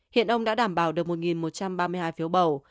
hiện ông đã đảm bảo được một một trăm ba mươi hai phiếu bầu